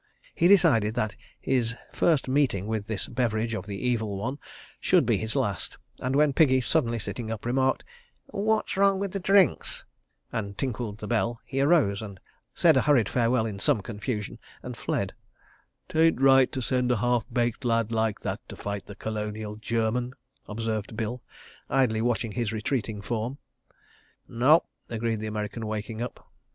He decided that his first meeting with this beverage of the Evil One should be his last, and when Piggy, suddenly sitting up, remarked: "What's wrong with the drinks?" and tinkled the bell, he arose, said a hurried farewell in some confusion, and fled. "'Tain't right to send a half baked lad like that to fight the Colonial German," observed Bill, idly watching his retreating form. "Nope," agreed the American, waking up.